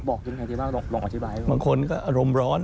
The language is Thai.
บอกยังไงดีบ้างลองอธิบายก่อน